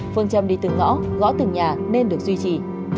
phương châm đi từ ngõ gõ từ nhà nên được duy trì